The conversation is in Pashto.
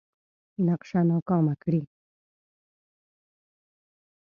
نقشه ناکامه کړي.